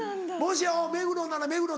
もし目黒なら「目黒」